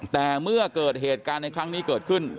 แต่เมื่อเกิดเหตุการณ์ในครั้งนี้เกิดขึ้น